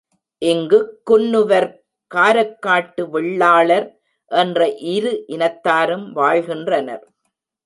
இங்குக் குன்னுவர், காரக்காட்டு வெள்ளாளர் என்ற இரு இனத்தாரும் வாழ்கின்றனர்.